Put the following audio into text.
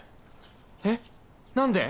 えっ何で？